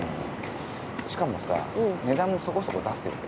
しかもさぁ値段もそこそこ出すよね。